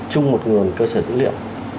chung một nguồn cơ sở dữ liệu